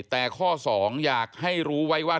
แต่ข้อ๒อยากให้รู้ไว้ว่า